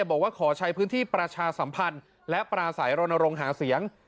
บอกว่าขอใช้พื้นที่ประชาสัมพันธ์และปราศัยรณรงค์หาเสียง